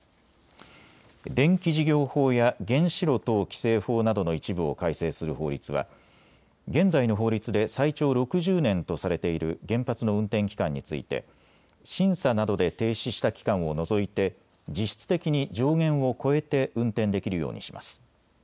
電気事業法や原子炉等規制法などの一部を改正する法律は現在の法律で最長６０年とされている原発の運転期間について審査などで停止した期間を除いて実質的に上限を超えて運転できるようにします。